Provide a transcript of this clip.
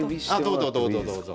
どうぞどうぞどうぞ。